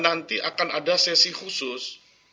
nanti akan ada sesi khusus